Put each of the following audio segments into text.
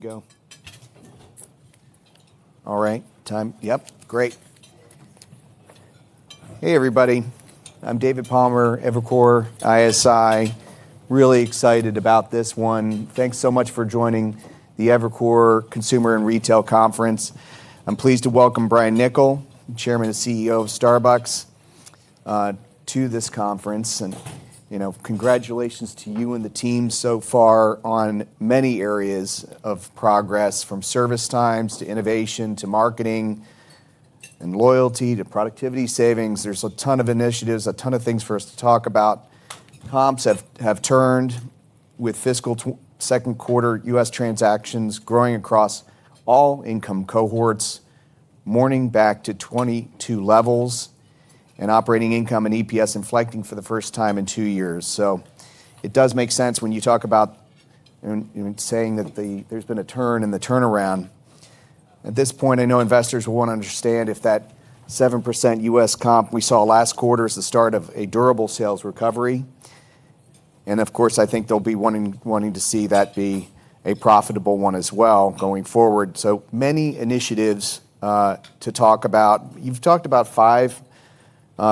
Go. All right. Time? Yep, great. Hey, everybody, I'm David Palmer, Evercore ISI. Really excited about this one. Thanks so much for joining the Evercore Consumer and Retail Conference. I'm pleased to welcome Brian Niccol, Chairman and CEO of Starbucks, to this conference. Congratulations to you and the team so far on many areas of progress, from service times to innovation, to marketing and loyalty, to productivity savings. There's a ton of initiatives, a ton of things for us to talk about. Comps have turned with fiscal second quarter U.S. transactions growing across all income cohorts, morning back to 2022 levels, and operating income and EPS inflecting for the first time in two years. It does make sense when you talk about saying that there's been a turn in the turnaround. At this point, I know investors will want to understand if that 7% U.S. comp we saw last quarter is the start of a durable sales recovery. Of course, I think they'll be wanting to see that be a profitable one as well going forward. Many initiatives to talk about. You've talked about five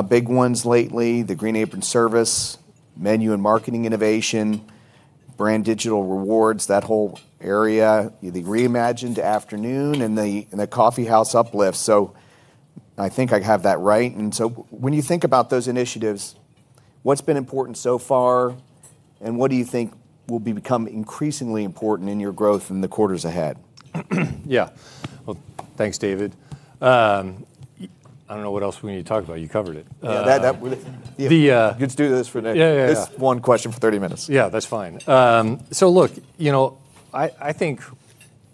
big ones lately, the Green Apron Service, Menu and Marketing Innovation, Brand Digital Rewards, that whole area, the Reimagined Afternoon, and the Coffee House Uplifts. I think I have that right. When you think about those initiatives, what's been important so far, and what do you think will become increasingly important in your growth in the quarters ahead? Yeah. Well, thanks, David. I don't know what else we need to talk about. You covered it. Yeah. The- You could do this for next- Yeah Just one question for 30 minutes. Yeah. That's fine. Look, I think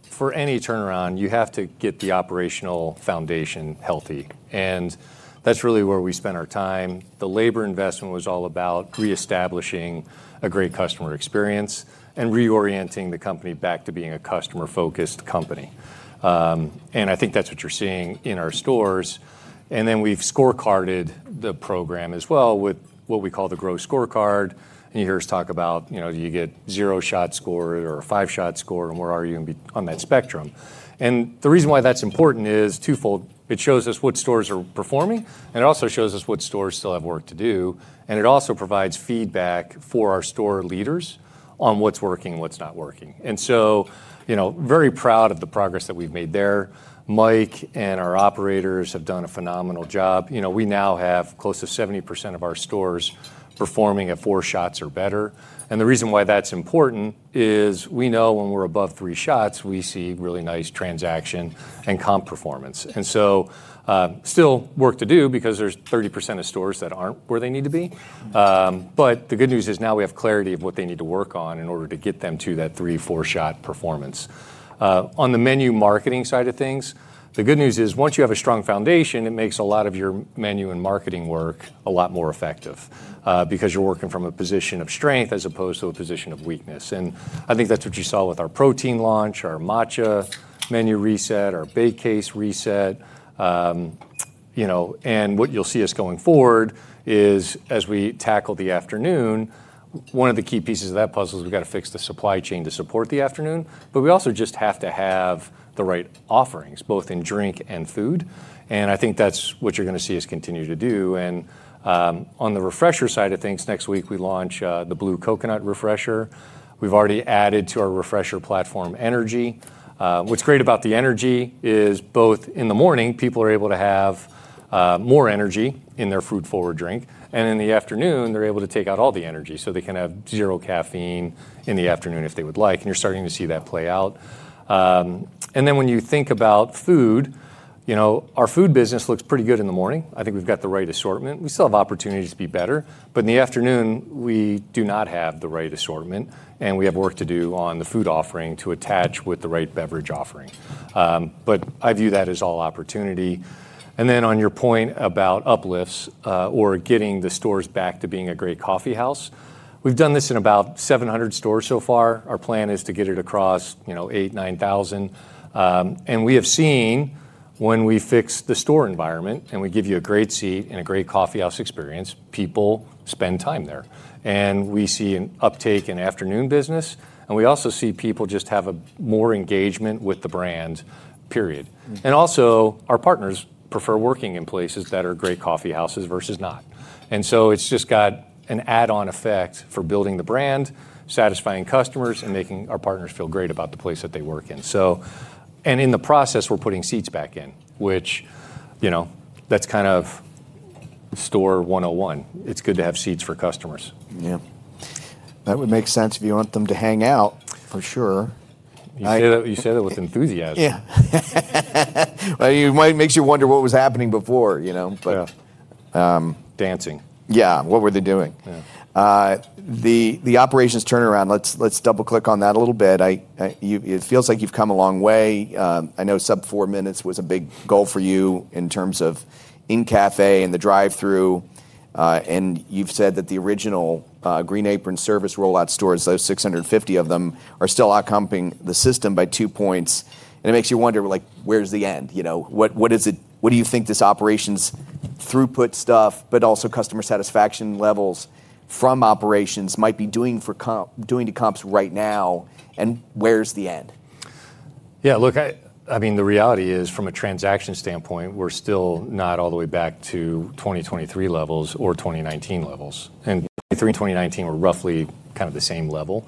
for any turnaround, you have to get the operational foundation healthy, and that's really where we spent our time. The labor investment was all about reestablishing a great customer experience and reorienting the company back to being a customer-focused company. I think that's what you're seeing in our stores. Then we've scorecarded the program as well with what we call the Grow Scorecard. You hear us talk about, do you get zero-shot scored or a five-shot score, and where are you on that spectrum? The reason why that's important is twofold. It shows us what stores are performing, and it also shows us what stores still have work to do, and it also provides feedback for our store leaders on what's working and what's not working. Very proud of the progress that we've made there. Mike and our operators have done a phenomenal job. We now have close to 70% of our stores performing at four shots or better. The reason why that's important is we know when we're above shots shots, we see really nice transaction and comp performance. Still work to do because there's 30% of stores that aren't where they need to be. The good news is now we have clarity of what they need to work on in order to get them to that three, four-shot performance. On the menu marketing side of things, the good news is once you have a strong foundation, it makes a lot of your menu and marketing work a lot more effective. You're working from a position of strength as opposed to a position of weakness. I think that's what you saw with our protein launch, our Matcha menu reset, our bake case reset. What you'll see us going forward is, as we tackle the afternoon, one of the key pieces of that puzzle is we've got to fix the supply chain to support the afternoon, we also just have to have the right offerings, both in drink and food. I think that's what you're going to see us continue to do. On the Refresher side of things, next week, we launch the Blue Coconut Refresher. We've already added to our Refresher platform energy. What's great about the energy is both in the morning, people are able to have more energy in their food-forward drink, and in the afternoon, they're able to take out all the energy, so they can have zero caffeine in the afternoon if they would like. You're starting to see that play out. When you think about food, our food business looks pretty good in the morning. I think we've got the right assortment. We still have opportunities to be better. In the afternoon, we do not have the right assortment, and we have work to do on the food offering to attach with the right beverage offering. I view that as all opportunity. On your point about uplifts, or getting the stores back to being a great coffee house, we've done this in about 700 stores so far. Our plan is to get it across 8,000, 9,000. We have seen when we fix the store environment and we give you a great seat and a great coffee house experience, people spend time there. We see an uptake in afternoon business, and we also see people just have more engagement with the brand, period. Also, our partners prefer working in places that are great coffee houses versus not. It's just got an add-on effect for building the brand, satisfying customers, and making our partners feel great about the place that they work in. In the process, we're putting seats back in, which that's store 101. It's good to have seats for customers. Yeah. That would make sense if you want them to hang out, for sure. You said that with enthusiasm. Yeah. Well, it makes you wonder what was happening before. Yeah. Dancing. Yeah. What were they doing? Yeah. The operations turnaround, let's double-click on that a little bit. It feels like you've come a long way. I know sub four minutes was a big goal for you in terms of in-cafe and the drive-thru. You've said that the original Green Apron Service rollout stores, those 650 of them, are still out comping the system by two points. It makes you wonder where's the end? What do you think this operations throughput stuff, but also customer satisfaction levels from operations might be doing to comps right now, and where's the end? Yeah, look, the reality is from a transaction standpoint, we're still not all the way back to 2023 levels or 2019 levels. 2023 and 2019 were roughly kind of the same level.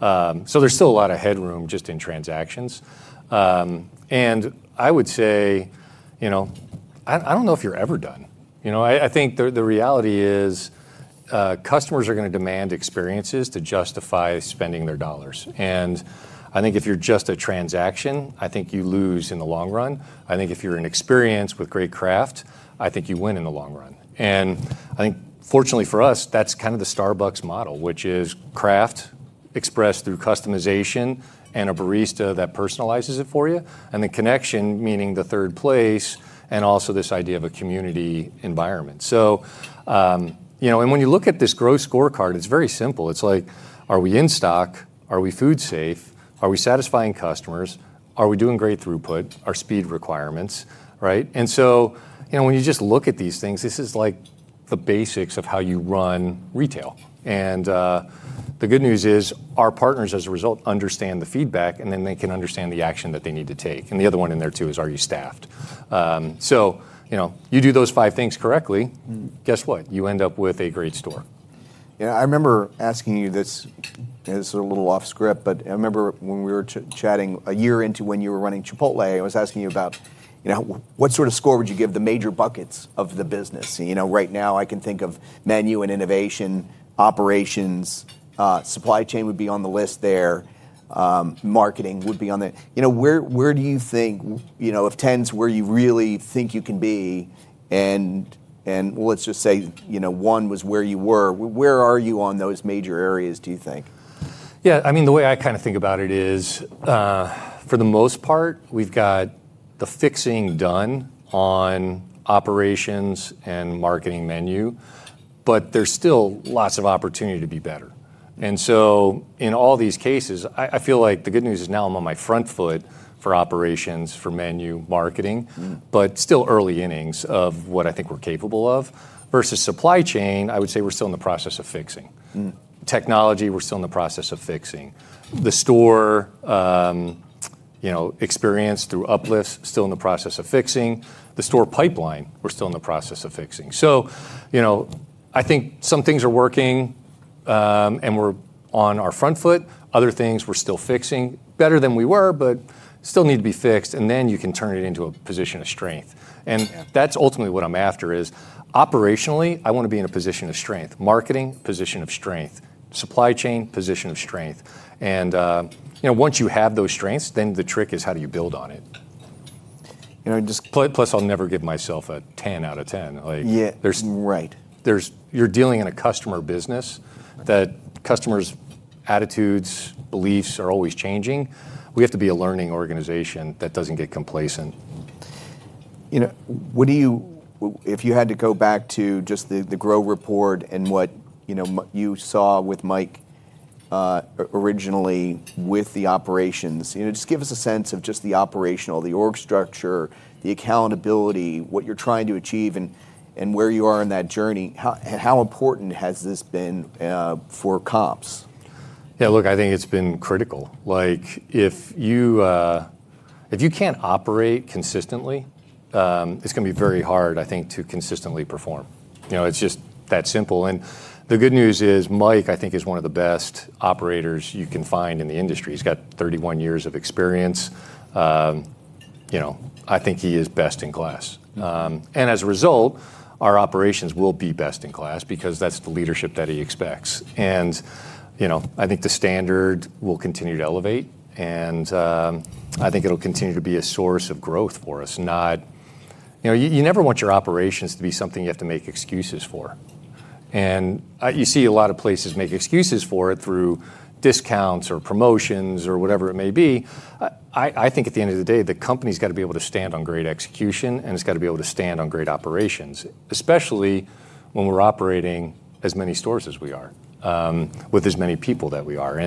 There's still a lot of headroom just in transactions. I would say, I don't know if you're ever done. I think the reality is, customers are going to demand experiences to justify spending their dollars. I think if you're just a transaction, I think you lose in the long run. I think if you're an experience with great craft, I think you win in the long run. I think fortunately for us, that's kind of the Starbucks model which is craft expressed through customization and a barista that personalizes it for you, and the connection, meaning the Third Place, and also this idea of a community environment. When you look at this Grow Scorecard, it's very simple. It's like, are we in stock? Are we food safe? Are we satisfying customers? Are we doing great throughput, our speed requirements, right? When you just look at these things, this is the basics of how you run retail. The good news is, our partners, as a result, understand the feedback and then they can understand the action that they need to take. The other one in there, too, is are you staffed? You do those five things correctly. Guess what? You end up with a great store. Yeah. I remember asking you this, and this is a little off-script, but I remember when we were chatting a year into when you were running Chipotle, I was asking you about what sort of score would you give the major buckets of the business? Right now I can think of menu and innovation, operations, supply chain would be on the list there. Marketing would be on there. Where do you think, if 10's where you really think you can be, and let's just say one was where you were, where are you on those major areas, do you think? Yeah, the way I think about it is for the most part, we've got the fixing done on operations and marketing menu but there's still lots of opportunity to be better. In all these cases, I feel like the good news is now I'm on my front foot for operations, for menu marketing. Still early innings of what I think we're capable of. Versus supply chain, I would say we're still in the process of fixing. Technology, we're still in the process of fixing. The store experience through uplift, still in the process of fixing. The store pipeline, we're still in the process of fixing. I think some things are working, and we're on our front foot. Other things, we're still fixing. Better than we were, but still need to be fixed. You can turn it into a position of strength. Yeah. That's ultimately what I'm after is operationally, I want to be in a position of strength. Marketing, position of strength. Supply chain, position of strength. Once you have those strengths, then the trick is how do you build on it? Just- I'll never give myself a 10 out of 10. Yeah. There's- Right. You're dealing in a customer business that customers' attitudes, beliefs are always changing. We have to be a learning organization that doesn't get complacent. If you had to go back to just the GROW Report and what you saw with Mike, originally with the operations, just give us a sense of just the operational, the org structure, the accountability, what you're trying to achieve and where you are in that journey. How important has this been for comps? Yeah, look, I think it's been critical. If you can't operate consistently, it's going to be very hard, I think, to consistently perform. It's just that simple. The good news is, Mike, I think is one of the best operators you can find in the industry. He's got 31 years of experience. I think he is best in class. As a result, our operations will be best in class because that's the leadership that he expects. I think the standard will continue to elevate, and I think it'll continue to be a source of growth for us. You never want your operations to be something you have to make excuses for. You see a lot of places make excuses for it through discounts or promotions or whatever it may be. I think at the end of the day, the company's got to be able to stand on great execution, and it's got to be able to stand on great operations, especially when we're operating as many stores as we are, with as many people that we are.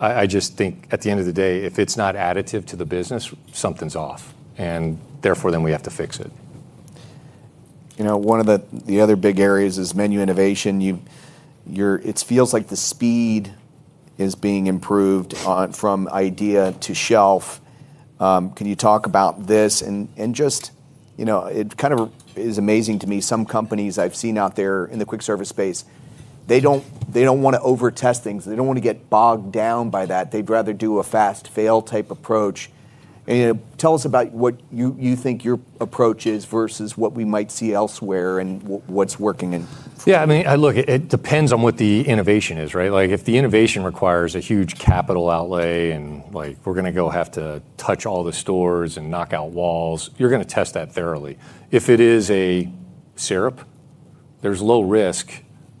I just think at the end of the day, if it's not additive to the business, something's off, and therefore, then we have to fix it. One of the other big areas is menu innovation. It feels like the speed is being improved on from idea to shelf. Can you talk about this and just, it kind of is amazing to me. Some companies I've seen out there in the quick service space, they don't want to over-test things. They don't want to get bogged down by that. They'd rather do a fast fail type approach. Tell us about what you think your approach is versus what we might see elsewhere and what's working and- Yeah, I mean, look, it depends on what the innovation is, right? If the innovation requires a huge capital outlay and we're going to go have to touch all the stores and knock out walls. You're going to test that thoroughly. If it is a syrup, there's low risk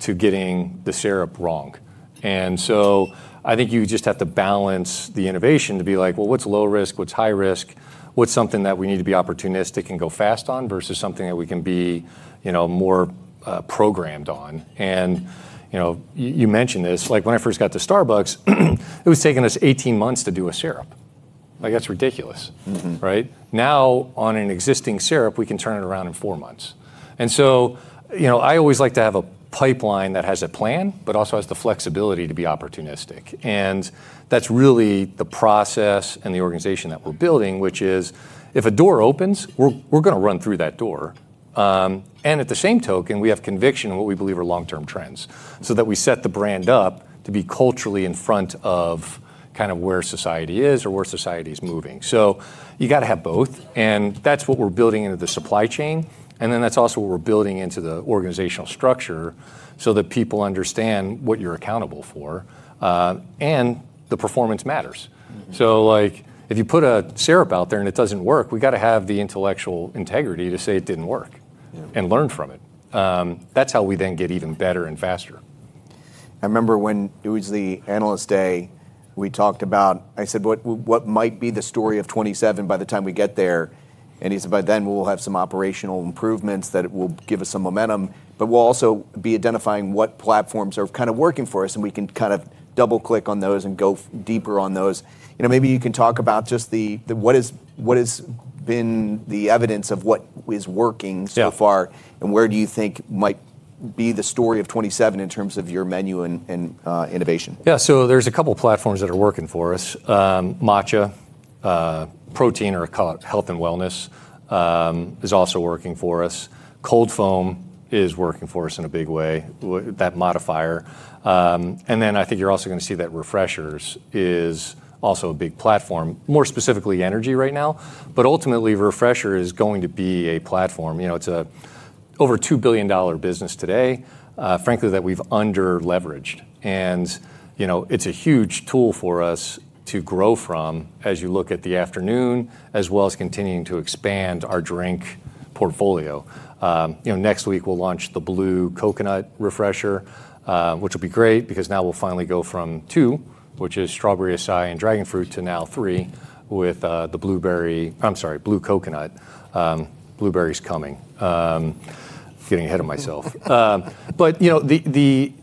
to getting the syrup wrong. I think you just have to balance the innovation to be like, well, what's low risk, what's high risk? What's something that we need to be opportunistic and go fast on versus something that we can be more programmed on? You mentioned this, like when I first got to Starbucks, it was taking us 18 months to do a syrup. Like that's ridiculous. Right? Now, on an existing syrup, we can turn it around in four months. I always like to have a pipeline that has a plan, but also has the flexibility to be opportunistic. That's really the process and the organization that we're building, which is if a door opens, we're going to run through that door. At the same token, we have conviction in what we believe are long-term trends so that we set the brand up to be culturally in front of where society is or where society is moving. You got to have both, and that's what we're building into the supply chain, and then that's also what we're building into the organizational structure so that people understand what you're accountable for, and the performance matters. Like, if you put a syrup out there and it doesn't work, we got to have the intellectual integrity to say it didn't work. Yeah. Learn from it. That's how we then get even better and faster. I remember when it was the Analyst Day we talked about, I said, "What might be the story of 2027 by the time we get there?" He said, "By then we will have some operational improvements that it will give us some momentum, but we'll also be identifying what platforms are kind of working for us and we can double-click on those and go deeper on those." Maybe you can talk about just what has been the evidence of what is working so far. Yeah. Where do you think might be the story of 2027 in terms of your menu and innovation? There's two platforms that are working for us. Matcha protein, or call it health and wellness, is also working for us. Cold Foam is working for us in a big way, that modifier. I think you're also going to see that Refreshers is also a big platform. More specifically energy right now, but ultimately Refresher is going to be a platform. It's a over $2 billion business today, frankly, that we've under-leveraged. It's a huge tool for us to grow from as you look at the afternoon, as well as continuing to expand our drink portfolio. Next week we'll launch the Blue Coconut Refresher, which will be great because now we'll finally go from two, which is Strawberry Açaí and Mango Dragonfruit, to now three with the Blue Coconut. Blueberry's coming. Getting ahead of myself.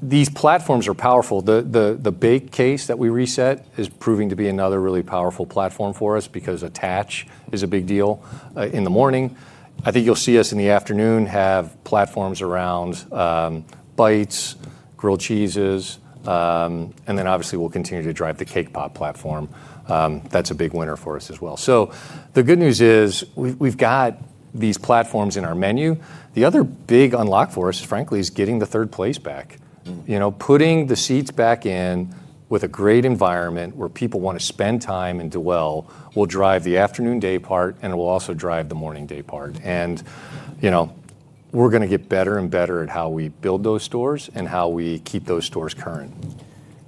These platforms are powerful. The bake case that we reset is proving to be another really powerful platform for us because attach is a big deal in the morning. I think you'll see us in the afternoon have platforms around bites, grilled cheeses, and obviously we'll continue to drive the Cake Pop platform. That's a big winner for us as well. The good news is we've got these platforms in our menu. The other big unlock for us, frankly, is getting the Third Place back. Putting the seats back in with a great environment where people want to spend time and dwell will drive the afternoon day part and it will also drive the morning day part. We're going to get better and better at how we build those stores and how we keep those stores current.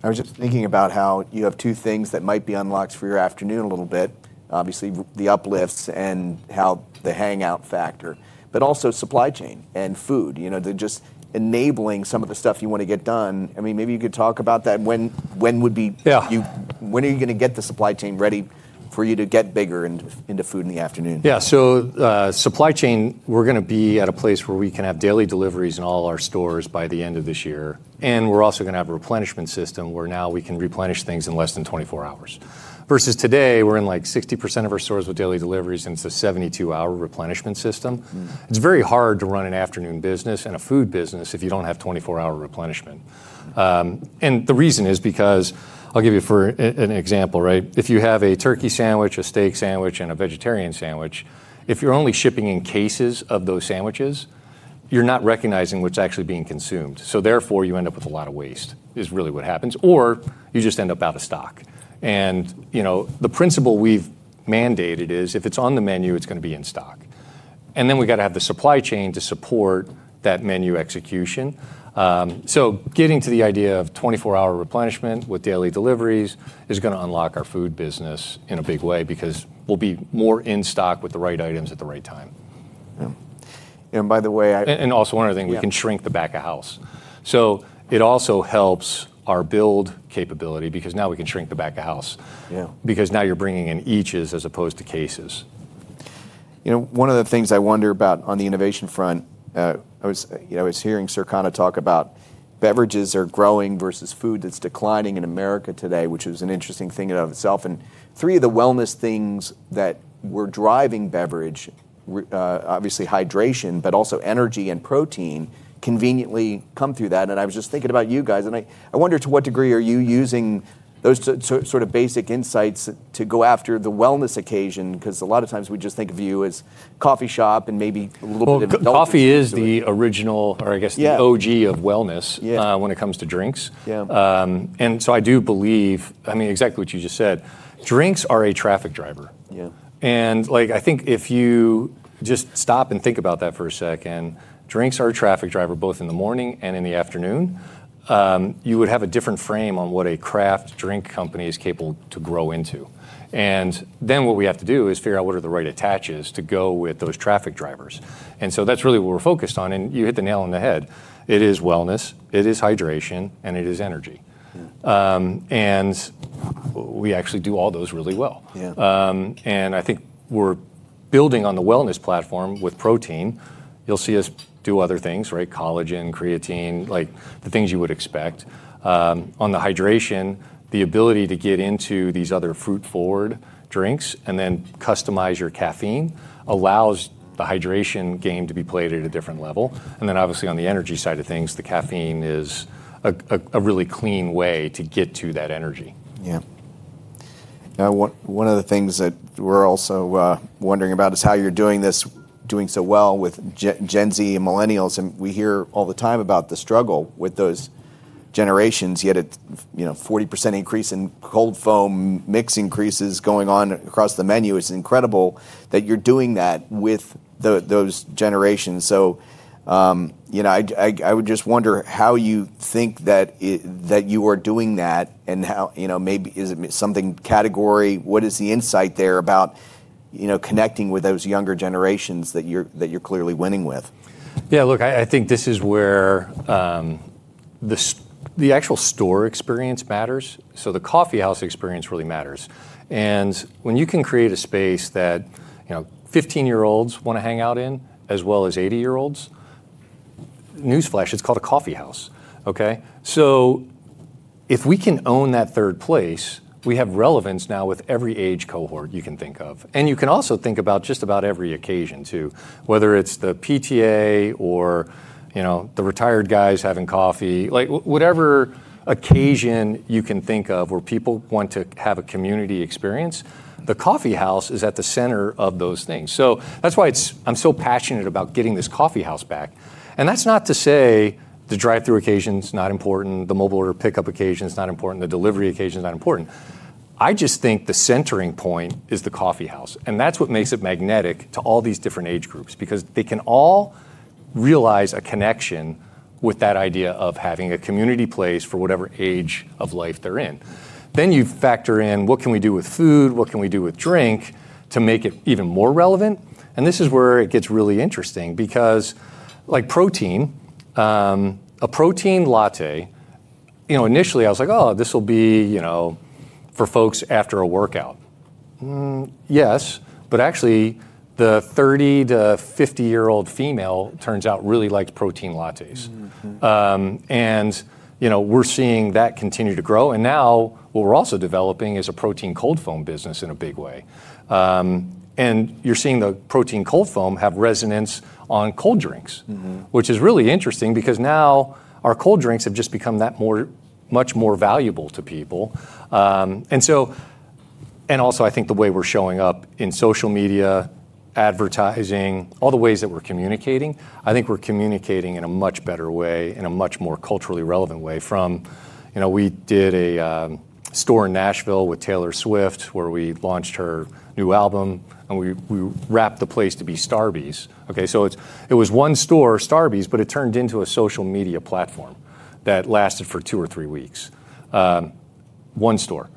I was just thinking about how you have two things that might be unlocks for your afternoon a little bit, obviously the uplifts and how the hangout factor, but also supply chain and food. They're just enabling some of the stuff you want to get done. Maybe you could talk about that. Yeah. When are you going to get the supply chain ready for you to get bigger and into food in the afternoon? Yeah. Supply chain, we're going to be at a place where we can have daily deliveries in all our stores by the end of this year. We're also going to have a replenishment system where now we can replenish things in less than 24 hours. Versus today, we're in like 60% of our stores with daily deliveries, and it's a 72-hour replenishment system. It's very hard to run an afternoon business and a food business if you don't have 24-hour replenishment. The reason is because I'll give you for an example, right? If you have a turkey sandwich, a steak sandwich, and a vegetarian sandwich, if you're only shipping in cases of those sandwiches, you're not recognizing what's actually being consumed, so therefore you end up with a lot of waste is really what happens. You just end up out of stock. The principle we've mandated is if it's on the menu, it's going to be in stock. We got to have the supply chain to support that menu execution. Getting to the idea of 24-hour replenishment with daily deliveries is going to unlock our food business in a big way because we'll be more in stock with the right items at the right time. Yeah. By the way. Also one other thing, we can shrink the back of house. It also helps our build capability because now we can shrink the back of house. Yeah. Because now you're bringing in each as opposed to cases. One of the things I wonder about on the innovation front, I was hearing Circana talk about beverages are growing versus food that's declining in America today, which is an interesting thing in and of itself. Three of the wellness things that were driving beverage, obviously hydration but also energy and protein conveniently come through that. I was just thinking about you guys, and I wonder to what degree are you using those sort of basic insights to go after the wellness occasion? Because a lot of times we just think of you as coffee shop. Well, coffee is the original. Yeah. The OG of wellness. Yeah. When it comes to drinks. Yeah. I do believe exactly what you just said, drinks are a traffic driver. Yeah. I think if you just stop and think about that for a second, drinks are a traffic driver, both in the morning and in the afternoon. You would have a different frame on what a craft drink company is capable to grow into. What we have to do is figure out what are the right attaches to go with those traffic drivers. That's really what we're focused on, and you hit the nail on the head. It is wellness, it is hydration, and it is energy. Yeah. We actually do all those really well. Yeah. I think we're building on the wellness platform with protein, you'll see us do other things, right? Collagen, creatine, the things you would expect. On the hydration, the ability to get into these other fruit-forward drinks and then customize your caffeine allows the hydration game to be played at a different level. Obviously, on the energy side of things, the caffeine is a really clean way to get to that energy. Yeah. One of the things that we're also wondering about is how you're doing so well with Gen Z and millennials, and we hear all the time about the struggle with those generations, yet a 40% increase in Cold Foam mix increases going on across the menu. It's incredible that you're doing that with those generations. I would just wonder how you think that you are doing that, and maybe is it something category? What is the insight there about connecting with those younger generations that you're clearly winning with? Yeah, look, I think this is where the actual store experience matters. The coffeehouse experience really matters. When you can create a space that 15-year-olds want to hang out in as well as 80-year-olds, newsflash, it's called a coffeehouse. Okay? If we can own that Third Place, we have relevance now with every age cohort you can think of. You can also think about just about every occasion, too. Whether it's the PTA or the retired guys having coffee. Whatever occasion you can think of where people want to have a community experience, the coffeehouse is at the center of those things. That's why I'm so passionate about getting this coffeehouse back, and that's not to say the drive-thru occasion's not important, the mobile order pickup occasion's not important, the delivery occasion's not important. I just think the centering point is the coffeehouse, and that's what makes it magnetic to all these different age groups because they can all realize a connection with that idea of having a community place for whatever age of life they're in. You factor in what can we do with food, what can we do with drink to make it even more relevant, and this is where it gets really interesting because like protein, a Protein Latte, initially I was like, "Oh, this will be for folks after a workout." Yes. Actually, the 30 to 50-year-old female, it turns out, really liked Protein Lattes. We're seeing that continue to grow, and now what we're also developing is a Protein Cold Foam business in a big way. You're seeing the Protein Cold Foam have resonance on cold drinks. Which is really interesting because now our cold drinks have just become much more valuable to people. I think the way we're showing up in social media, advertising, all the ways that we're communicating, I think we're communicating in a much better way, in a much more culturally relevant way. We did a store in Nashville with Taylor Swift where we launched her new album, and we wrapped the place to be Starbucks. Okay? It was one store, Starbucks, but it turned into a social media platform that lasted for two or three weeks. One store.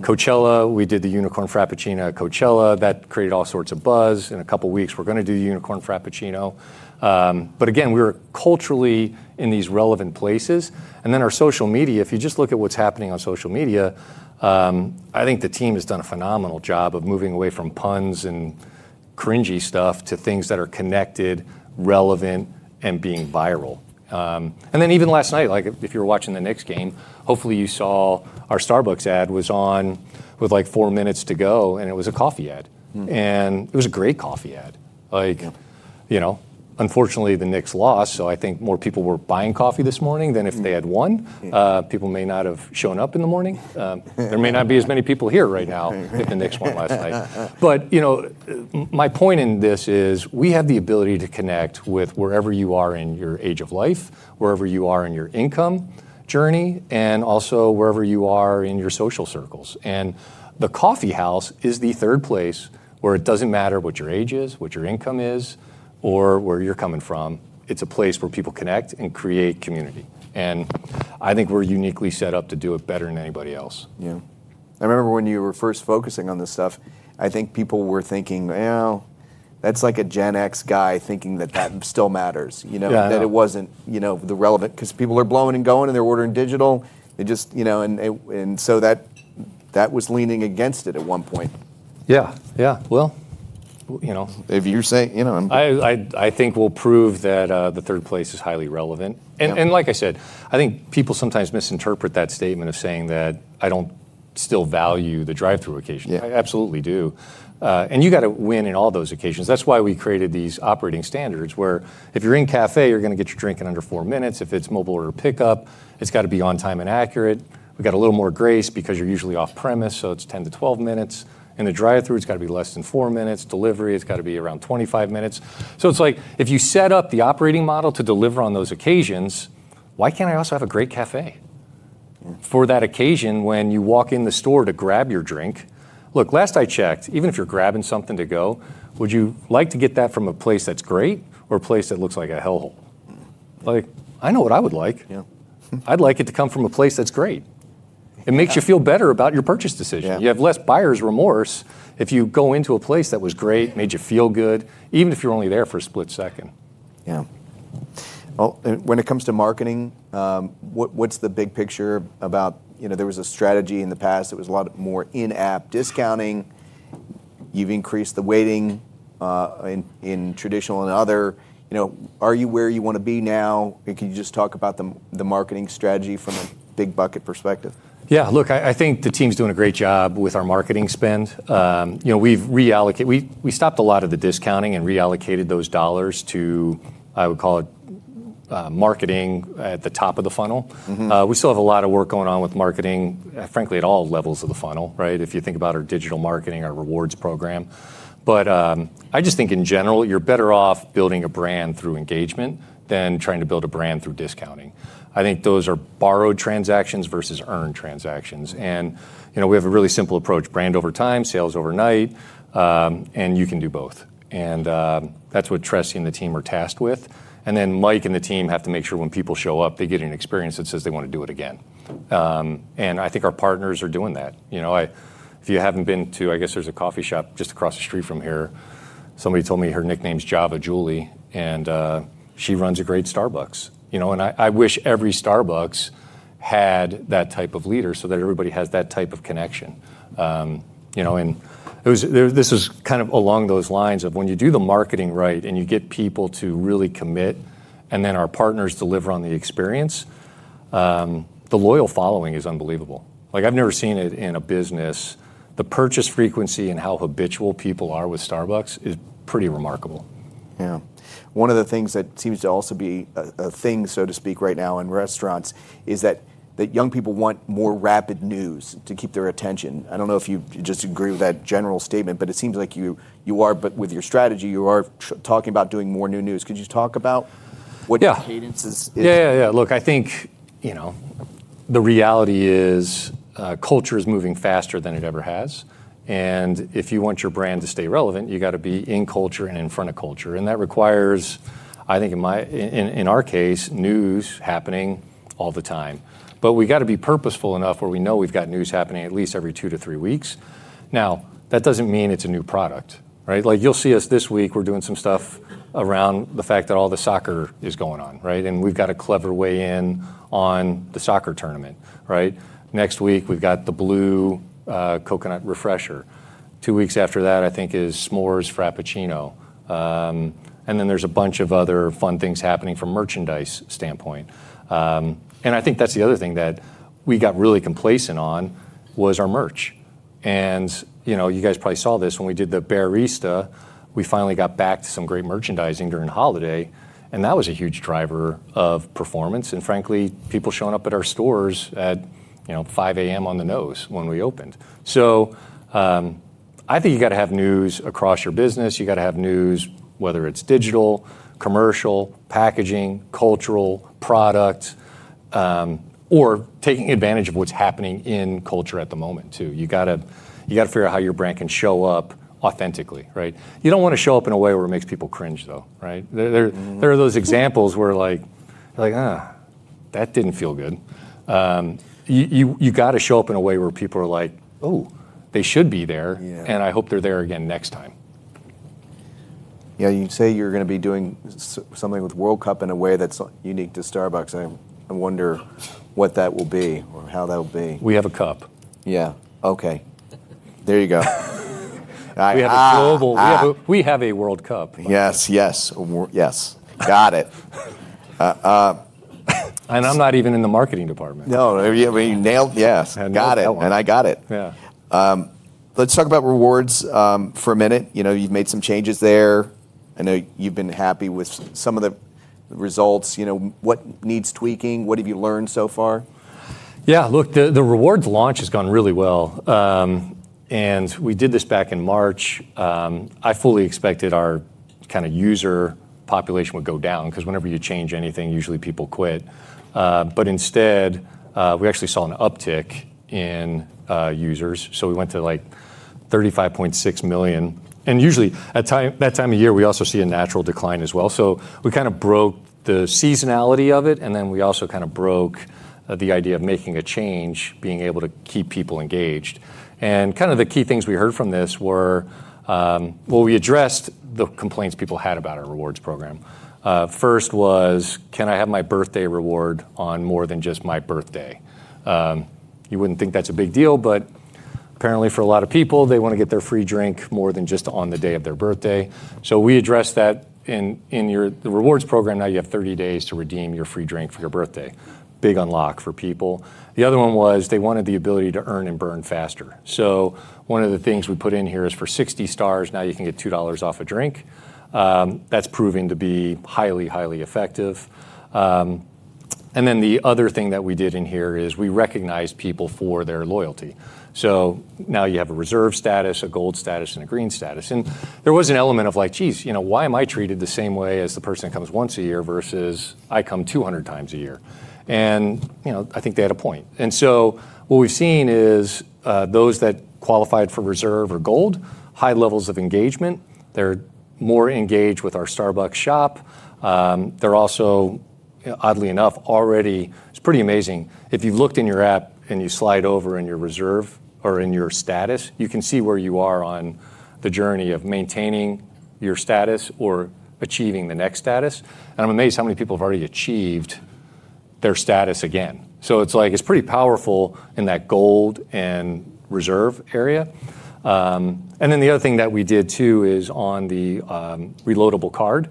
Coachella, we did the Unicorn Frappuccino at Coachella. That created all sorts of buzz. In a couple of weeks, we're going to do the Unicorn Frappuccino. We were culturally in these relevant places, our social media, if you just look at what's happening on social media, I think the team has done a phenomenal job of moving away from puns and cringey stuff to things that are connected, relevant, and being viral. Even last night, if you were watching the Knicks game, hopefully you saw our Starbucks ad was on with four minutes to go, it was a coffee ad. It was a great coffee ad. Yeah. Unfortunately, the Knicks lost, I think more people were buying coffee this morning than if they had won. Yeah. People may not have shown up in the morning. There may not be as many people here right now if the Knicks won last night. My point in this is we have the ability to connect with wherever you are in your age of life, wherever you are in your income journey, and also wherever you are in your social circles. The coffeehouse is the Third Place where it doesn't matter what your age is, what your income is, or where you're coming from. It's a place where people connect and create community. I think we're uniquely set up to do it better than anybody else. Yeah. I remember when you were first focusing on this stuff, I think people were thinking, "Well, that's like a Gen X guy thinking that that still matters. Yeah. That it wasn't relevant because people are blowing and going, and they're ordering digital. That was leaning against it at one point. Yeah. Well. If you say, you know. I think we'll prove that the Third Place is highly relevant. Like I said, I think people sometimes misinterpret that statement of saying that I don't still value the drive-thru occasion. Yeah. I absolutely do. You got to win in all those occasions. That's why we created these operating standards where if you're in-cafe, you're going to get your drink in under four minutes. If it's mobile order pickup, it's got to be on time and accurate. We got a little more grace because you're usually off premise, so it's 10-12 minutes. In the drive-thru, it's got to be less than four minutes. Delivery, it's got to be around 25 minutes. It's like if you set up the operating model to deliver on those occasions, why can't I also have a great cafe? For that occasion when you walk in the store to grab your drink. Look, last I checked, even if you're grabbing something to go, would you like to get that from a place that's great or a place that looks like a hellhole? Like, I know what I would like. Yeah. I'd like it to come from a place that's great. It makes you feel better about your purchase decision. Yeah. You have less buyer's remorse if you go into a place that was great, made you feel good, even if you're only there for a split second. Yeah. Well, when it comes to marketing, what's the big picture about. There was a strategy in the past, there was a lot more in-app discounting. You've increased the weighting in traditional and other. Are you where you want to be now? Can you just talk about the marketing strategy from a big bucket perspective? Yeah. Look, I think the team's doing a great job with our marketing spend. We stopped a lot of the discounting and reallocated those dollars to, I would call it marketing at the top of the funnel. We still have a lot of work going on with marketing, frankly, at all levels of the funnel, right? If you think about our digital marketing, our Starbucks Rewards program. I just think in general, you're better off building a brand through engagement than trying to build a brand through discounting. I think those are borrowed transactions versus earned transactions. We have a really simple approach, brand over time, sales overnight, and you can do both. That's what Tressie and the team are tasked with and then Mike and the team have to make sure when people show up, they get an experience that says they want to do it again. I think our partners are doing that. If you haven't been to, I guess there's a coffee shop just across the street from here. Somebody told me her nickname's Java Julie. She runs a great Starbucks. I wish every Starbucks had that type of leader so that everybody has that type of connection. This is kind of along those lines of when you do the marketing right and you get people to really commit, then our partners deliver on the experience, the loyal following is unbelievable. I've never seen it in a business. The purchase frequency and how habitual people are with Starbucks is pretty remarkable. Yeah. One of the things that seems to also be a thing, so to speak, right now in restaurants is that young people want more rapid news to keep their attention. I don't know if you just agree with that general statement. It seems like with your strategy, you are talking about doing more new news. Could you talk about what- Yeah The cadence is? Yeah. Look, I think, the reality is culture is moving faster than it ever has, and if you want your brand to stay relevant, you got to be in culture and in front of culture. That requires, I think in our case, news happening all the time. We got to be purposeful enough where we know we've got news happening at least every two to three weeks. That doesn't mean it's a new product, right? You'll see us this week, we're doing some stuff around the fact that all the soccer is going on, right? We've got a clever way in on the soccer tournament, right? Next week, we've got the Blue Coconut Refresher. Two weeks after that, I think, is S'mores Frappuccino. Then there's a bunch of other fun things happening from merchandise standpoint. I think that's the other thing that we got really complacent on was our merch. You guys probably saw this when we did the Bearista, we finally got back to some great merchandising during holiday, and that was a huge driver of performance, and frankly, people showing up at our stores at 5:00AM on the nose when we opened. I think you got to have news across your business. You got to have news, whether it's digital, commercial, packaging, cultural, product, or taking advantage of what's happening in culture at the moment, too. You got to figure out how your brand can show up authentically, right? You don't want to show up in a way where it makes people cringe, though, right? There are those examples where like, "That didn't feel good." You got to show up in a way where people are like, "Oh, they should be there. Yeah. I hope they're there again next time. Yeah, you say you're going to be doing something with World Cup in a way that's unique to Starbucks. I wonder what that will be or how that'll be. We have a cup. Yeah. Okay. There you go. We have, We have a World Cup. Yes. Got it. I'm not even in the marketing department. No. You nailed Yes. Got it. I got it. Yeah. Let's talk about rewards for a minute. You've made some changes there. I know you've been happy with some of the results. What needs tweaking? What have you learned so far? Yeah. Look, the rewards launch has gone really well. We did this back in March. I fully expected our user population would go down, because whenever you change anything, usually people quit. Instead, we actually saw an uptick in users. We went to 35.6 million. Usually that time of year, we also see a natural decline as well. We kind of broke the seasonality of it, and then we also broke the idea of making a change, being able to keep people engaged. The key things we heard from this were, well, we addressed the complaints people had about our rewards program. First was, can I have my birthday reward on more than just my birthday? You wouldn't think that's a big deal, but apparently for a lot of people, they want to get their free drink more than just on the day of their birthday. We addressed that in the rewards program. Now you have 30 days to redeem your free drink for your birthday. Big unlock for people. The other one was they wanted the ability to earn and burn faster. One of the things we put in here is for 60 stars, now you can get $2 off a drink. That's proving to be highly effective. Then the other thing that we did in here is we recognized people for their loyalty. Now you have a Reserve status, a Gold status, and a Green status. There was an element of like, "Geez, why am I treated the same way as the person that comes once a year versus I come 200 times a year?" I think they had a point. What we've seen is those that qualified for Reserve or Gold, high levels of engagement. They're more engaged with our Starbucks shop. They're also, oddly enough, already, it's pretty amazing, if you looked in your app and you slide over in your Reserve or in your status, you can see where you are on the journey of maintaining your status or achieving the next status. I'm amazed how many people have already achieved their status again. It's pretty powerful in that Gold and Reserve area. The other thing that we did too is on the reloadable card,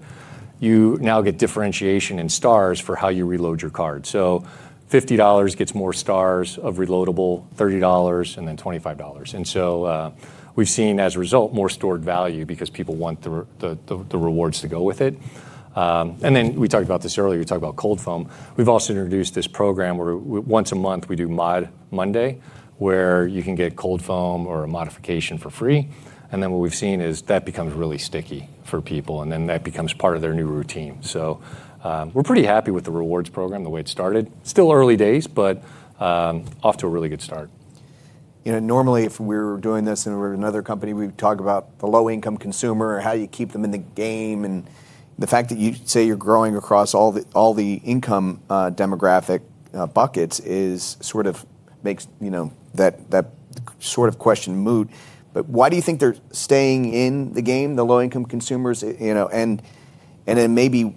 you now get differentiation in stars for how you reload your card. $50 gets more stars of reloadable, $30, and then $25. We've seen, as a result, more stored value because people want the rewards to go with it. We talked about this earlier, we talked about Cold Foam. We've also introduced this program where once a month we do Mod Monday, where you can get Cold Foam or a modification for free. What we've seen is that becomes really sticky for people, and then that becomes part of their new routine. We're pretty happy with the Rewards Program, the way it started. Still early days, but off to a really good start. Normally, if we were doing this and we're another company, we'd talk about the low-income consumer, how you keep them in the game, and the fact that you say you're growing across all the income demographic buckets sort of makes that sort of question moot. Why do you think they're staying in the game, the low-income consumers? Maybe,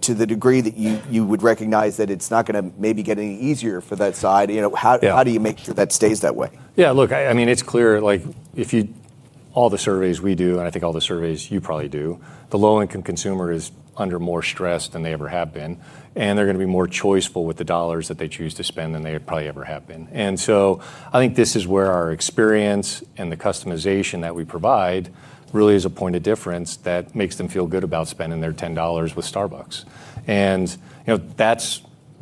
to the degree that you would recognize that it's not going to maybe get any easier for that side, how do you make sure that stays that way? Yeah, look, it's clear, all the surveys we do, and I think all the surveys you probably do, the low-income consumer is under more stress than they ever have been, and they're going to be more choiceful with the dollars that they choose to spend than they probably ever have been. I think this is where our experience and the customization that we provide really is a point of difference that makes them feel good about spending their $10 with Starbucks.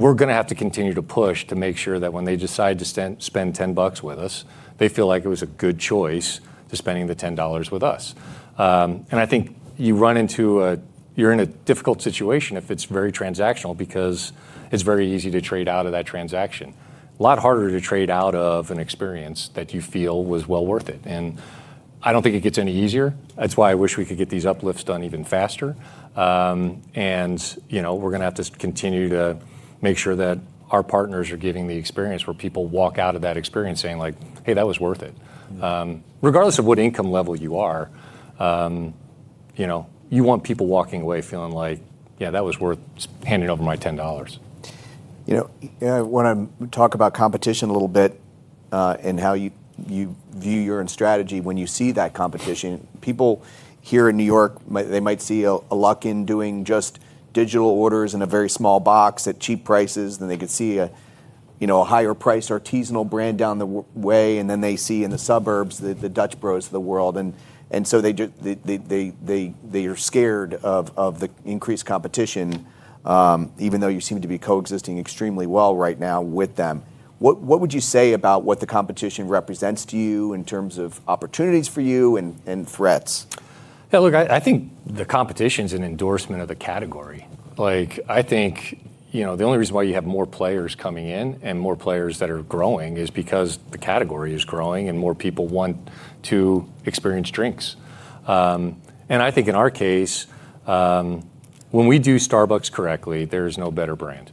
We're going to have to continue to push to make sure that when they decide to spend $10 with us, they feel like it was a good choice to spending the $10 with us. I think you're in a difficult situation if it's very transactional, because it's very easy to trade out of that transaction. A lot harder to trade out of an experience that you feel was well worth it. I don't think it gets any easier. That's why I wish we could get these uplifts done even faster. We're going to have to continue to make sure that our partners are giving the experience where people walk out of that experience saying, like, "Hey, that was worth it." Regardless of what income level you are, you want people walking away feeling like, "Yeah, that was worth handing over my $10. I want to talk about competition a little bit and how you view your own strategy when you see that competition. People here in New York, they might see a Luckin doing just digital orders in a very small box at cheap prices. They could see a higher price artisanal brand down the way. They see in the suburbs the Dutch Bros of the world. They are scared of the increased competition, even though you seem to be coexisting extremely well right now with them. What would you say about what the competition represents to you in terms of opportunities for you and threats? Yeah, look, I think the competition's an endorsement of the category. I think the only reason why you have more players coming in and more players that are growing is because the category is growing and more people want to experience drinks. I think in our case, when we do Starbucks correctly, there is no better brand.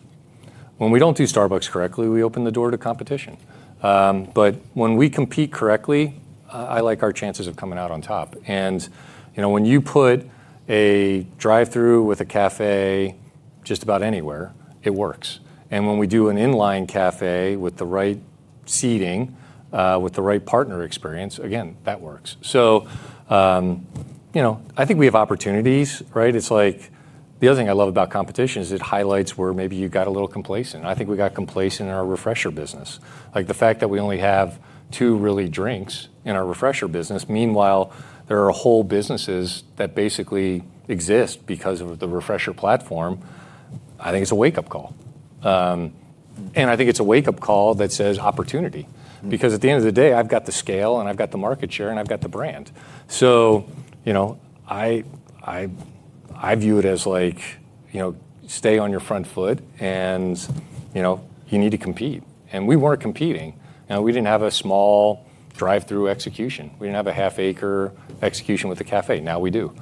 When we don't do Starbucks correctly, we open the door to competition. When we compete correctly, I like our chances of coming out on top. When you put a drive-thru with a cafe just about anywhere, it works. When we do an in-line cafe with the right seating, with the right partner experience, again, that works. I think we have opportunities, right? It's like the other thing I love about competition is it highlights where maybe you got a little complacent. I think we got complacent in our Refreshers business. The fact that we only have two really drinks in our Refreshers business. Meanwhile, there are whole businesses that basically exist because of the Refreshers platform. I think it's a wake-up call. I think it's a wake-up call that says opportunity. At the end of the day, I've got the scale, and I've got the market share, and I've got the brand. I view it as like stay on your front foot, and you need to compete. We weren't competing. We didn't have a small drive-thru execution. We didn't have a half-acre execution with the cafe. Now we do.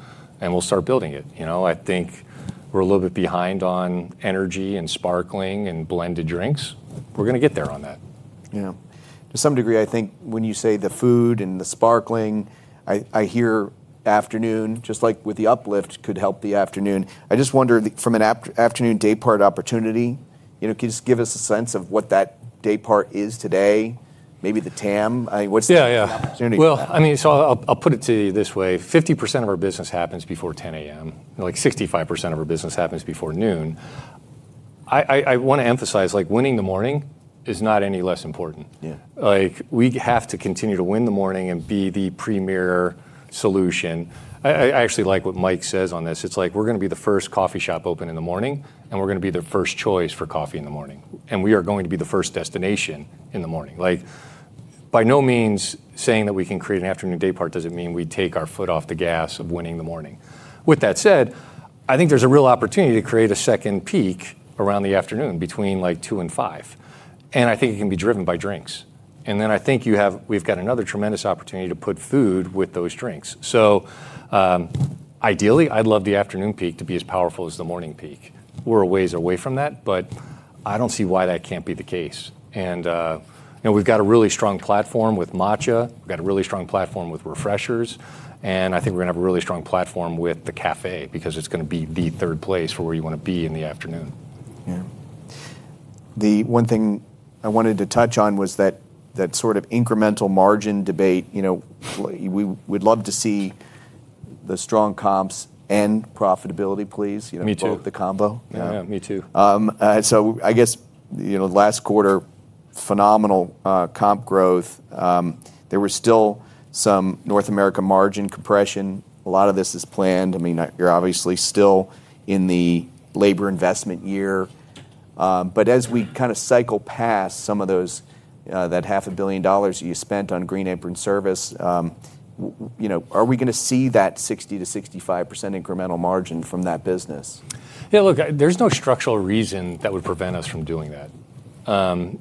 We'll start building it. I think we're a little bit behind on energy and sparkling and blended drinks. We're going to get there on that. Yeah. To some degree, I think when you say the food and the sparkling, I hear afternoon, just like with the uplift could help the afternoon. I just wonder from an afternoon daypart opportunity, can you just give us a sense of what that daypart is today? Maybe the TAM? What's the opportunity? Yeah. Well, I'll put it to you this way. 50% of our business happens before 10:00AM and 65% of our business happens before noon. I want to emphasize, winning the morning is not any less important. Yeah. We have to continue to win the morning and be the premier solution. I actually like what Mike says on this. It's we're going to be the first coffee shop open in the morning, we're going to be the first choice for coffee in the morning. We are going to be the first destination in the morning. By no means saying that we can create an afternoon daypart does it mean we take our foot off the gas of winning the morning. With that said, I think there's a real opportunity to create a second peak around the afternoon between 2:00 and 5:00PM. I think it can be driven by drinks. I think we've got another tremendous opportunity to put food with those drinks. Ideally, I'd love the afternoon peak to be as powerful as the morning peak. We're a ways away from that, but I don't see why that can't be the case. We've got a really strong platform with Matcha, we've got a really strong platform with Refreshers, I think we're going to have a really strong platform with the cafe because it's going to be the Third Place for where you want to be in the afternoon. The one thing I wanted to touch on was that sort of incremental margin debate. We'd love to see the strong comps and profitability, please. Me too. Both, the combo. Yeah. Me too. I guess, the last quarter, phenomenal comp growth. There was still some North America margin compression. A lot of this is planned. You're obviously still in the labor investment year. As we kind of cycle past some of those, that half a billion dollars you spent on Green Apron Service, are we going to see that 60%, 65% incremental margin from that business? Look, there's no structural reason that would prevent us from doing that.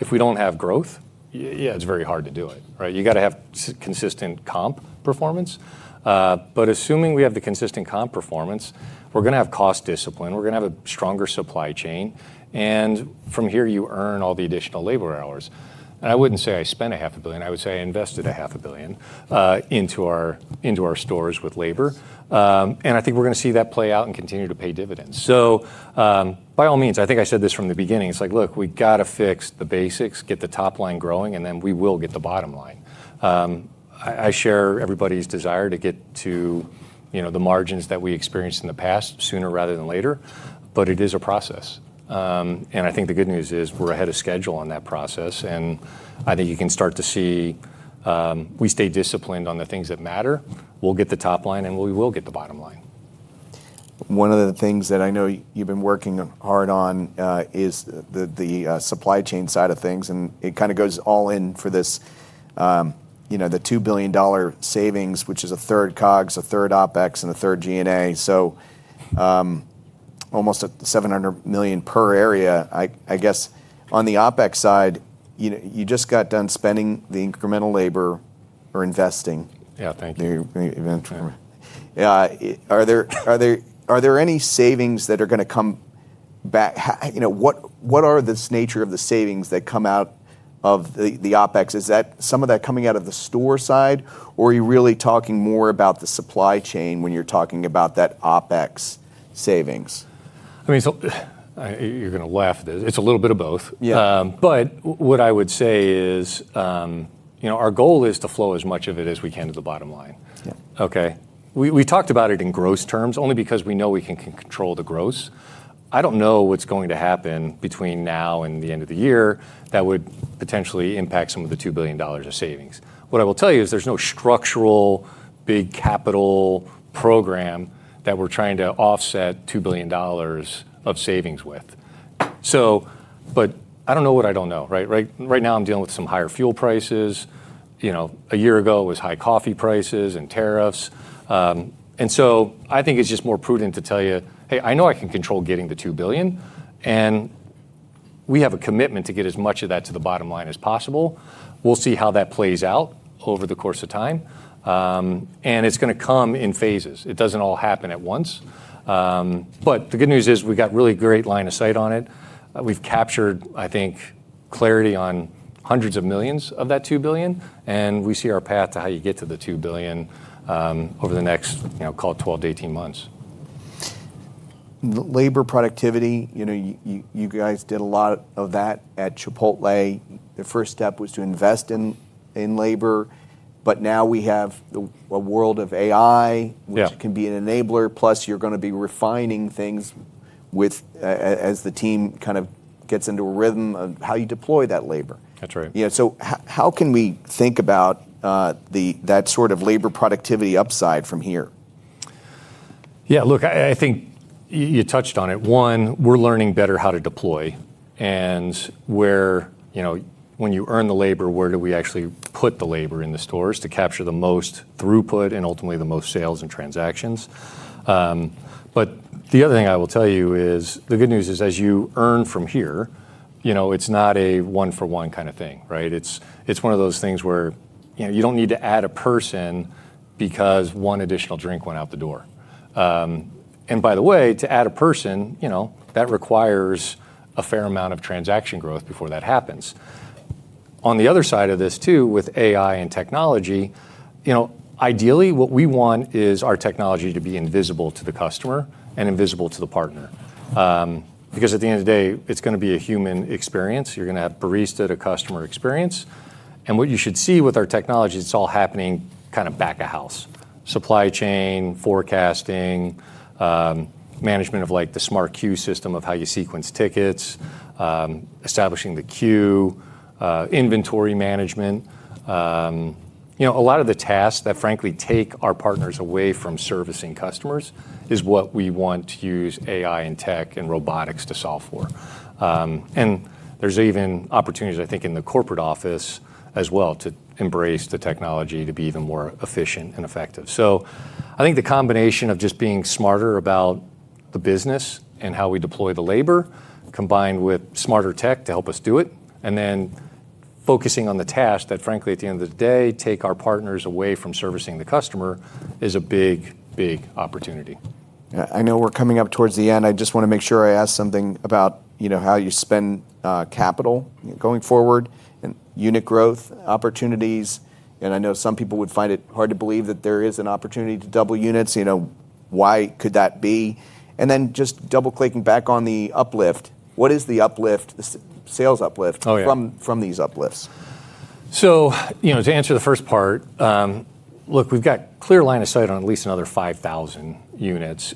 If we don't have growth, it's very hard to do it, right? You got to have consistent comp performance. Assuming we have the consistent comp performance, we're going to have cost discipline. We're going to have a stronger supply chain. From here, you earn all the additional labor hours. I wouldn't say I spent a half a billion. I would say I invested a half a billion into our stores with labor. I think we're going to see that play out and continue to pay dividends. By all means, I think I said this from the beginning. It's like, look, we got to fix the basics, get the top line growing, then we will get the bottom line. I share everybody's desire to get to the margins that we experienced in the past sooner rather than later, it is a process. I think the good news is we're ahead of schedule on that process, I think you can start to see, we stay disciplined on the things that matter. We'll get the top line, we will get the bottom line. One of the things that I know you've been working hard on is the supply chain side of things, it kind of goes all in for this, the $2 billion savings, which is a third COGS, a third OpEx, and a third G&A. Almost $700 million per area. I guess on the OpEx side, you just got done spending the incremental labor or investing. Yeah. Thank you. You're very welcome. Are there any savings that are going to come back? What are the nature of the savings that come out of the OpEx? Is some of that coming out of the store side, or are you really talking more about the supply chain when you're talking about that OpEx savings? I mean, you're going to laugh. It's a little bit of both. Yeah. What I would say is, our goal is to flow as much of it as we can to the bottom line. Yeah. Okay. We talked about it in gross terms only because we know we can control the gross. I don't know what's going to happen between now and the end of the year that would potentially impact some of the $2 billion of savings. What I will tell you is there's no structural, big capital program that we're trying to offset $2 billion of savings with. I don't know what I don't know, right? Right now I'm dealing with some higher fuel prices. A year ago it was high coffee prices and tariffs. I think it's just more prudent to tell you, hey, I know I can control getting the $2 billion, and we have a commitment to get as much of that to the bottom line as possible. We'll see how that plays out over the course of time. It's going to come in phases. It doesn't all happen at once. The good news is we've got really great line of sight on it. We've captured, I think, clarity on hundreds of millions of that $2 billion, and we see our path to how you get to the $2 billion over the next, call it 12 to 18 months. Labor productivity, you guys did a lot of that at Chipotle. The first step was to invest in labor, but now we have a world of AI- Yeah. Which can be an enabler, plus you're going to be refining things with, as the team kind of gets into a rhythm of how you deploy that labor. That's right. How can we think about that sort of labor productivity upside from here? I think you touched on it. One, we're learning better how to deploy and where, when you earn the labor, where do we actually put the labor in the stores to capture the most throughput and ultimately the most sales and transactions. The other thing I will tell you is, the good news is as you earn from here, it's not a one-for-one kind of thing, right? It's one of those things where you don't need to add a person because one additional drink went out the door. By the way, to add a person, that requires a fair amount of transaction growth before that happens. On the other side of this too, with AI and technology, ideally what we want is our technology to be invisible to the customer and invisible to the partner. At the end of the day, it's going to be a human experience. You're going to have barista-to-customer experience. What you should see with our technology, it's all happening kind of back of house. Supply chain, forecasting, management of the Smart Queue System of how you sequence tickets, establishing the queue, inventory management. A lot of the tasks that frankly take our partners away from servicing customers is what we want to use AI in tech and robotics to solve for. There's even opportunities, I think, in the corporate office as well to embrace the technology to be even more efficient and effective. I think the combination of just being smarter about the business and how we deploy the labor, combined with smarter tech to help us do it, and then focusing on the tasks that frankly, at the end of the day, take our partners away from servicing the customer is a big, big opportunity. Yeah. I know we're coming up towards the end. I just want to make sure I ask something about how you spend capital going forward and unit growth opportunities. I know some people would find it hard to believe that there is an opportunity to double units. Why could that be? Then just double-clicking back on the uplift, what is the sales uplift- Yeah. From these uplifts? To answer the first part, look, we've got clear line of sight on at least another 5,000 units,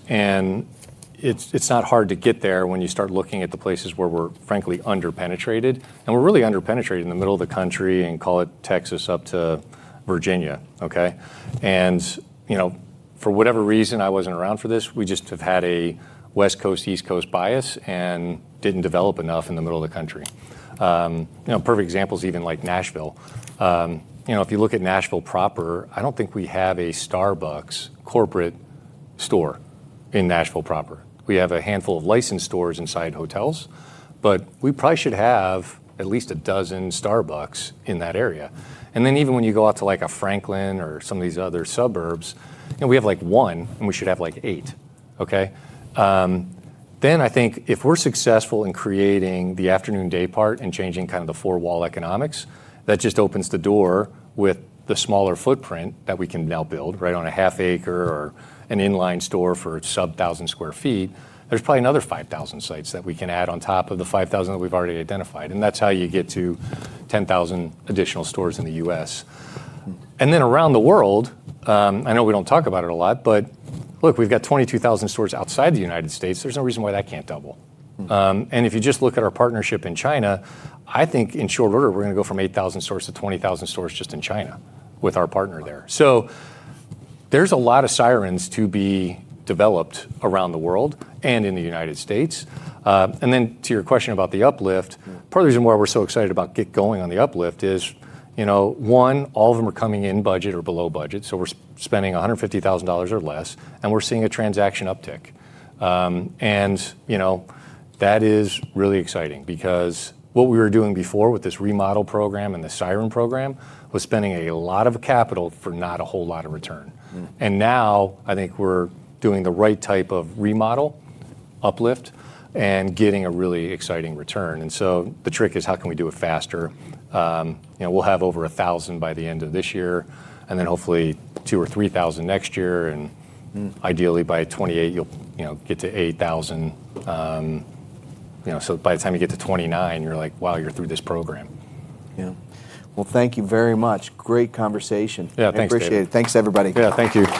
it's not hard to get there when you start looking at the places where we're frankly under-penetrated. We're really under-penetrated in the middle of the country in, call it Texas up to Virginia. Okay? For whatever reason, I wasn't around for this, we just have had a West Coast, East Coast bias and didn't develop enough in the middle of the country. Perfect example is even Nashville. If you look at Nashville proper, I don't think we have a Starbucks corporate store in Nashville proper. We have a handful of licensed stores inside hotels, but we probably should have at least a dozen Starbucks in that area. Even when you go out to a Franklin or some of these other suburbs, we have one, and we should have, like, eight. Okay? I think if we're successful in creating the afternoon day part and changing kind of the four-wall economics, that just opens the door with the smaller footprint that we can now build right on a half acre or an in-line store for sub-1,000 square feet. There's probably another 5,000 sites that we can add on top of the 5,000 that we've already identified, that's how you get to 10,000 additional stores in the U.S. Around the world, I know we don't talk about it a lot, but look, we've got 22,000 stores outside the United States. There's no reason why that can't double. If you just look at our partnership in China, I think in short order, we're going to go from 8,000 stores to 20,000 stores just in China with our partner there. There's a lot of Sirens to be developed around the world and in the United States. To your question about the uplift. Part of the reason why we're so excited about get going on the uplift is, one, all of them are coming in budget or below budget, we're spending $150,000 or less, we're seeing a transaction uptick. That is really exciting because what we were doing before with this remodel program and the Siren Program was spending a lot of capital for not a whole lot of return. I think we're doing the right type of remodel uplift and getting a really exciting return. The trick is how can we do it faster? We'll have over 1,000 by the end of this year, and then hopefully 2,000 or 3,000 next year. Ideally by 2028, you'll get to 8,000. By the time you get to 2029, you're like, "Wow, you're through this program. Yeah. Well, thank you very much. Great conversation. Yeah. Thanks, David. I appreciate it. Thanks, everybody. Yeah. Thank you.